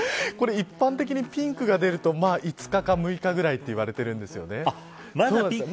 一般的に、ピンクが出ると５日が６日ぐらいと言われてるんですよね。